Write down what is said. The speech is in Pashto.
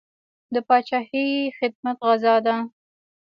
د پاچاهۍ خدمت غزا ده.